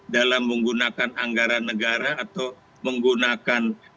dalam menggunakan anggaran negara atau menggunakan